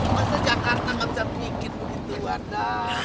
masa jakarta bisa bikin begitu warna